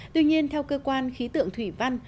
tuy nhiên theo cơ quan khí tượng thủy văn